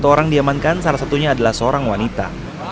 satu orang diamankan salah satunya adalah seorang wanita